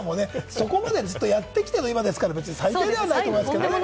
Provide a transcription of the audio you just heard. そこまでずっとやってきての今ですから、最低ではないと思いますけどね。